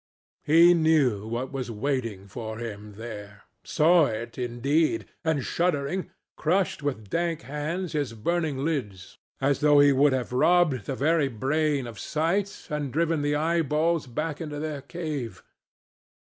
He knew what was waiting for him there; saw it, indeed, and, shuddering, crushed with dank hands his burning lids as though he would have robbed the very brain of sight and driven the eyeballs back into their cave.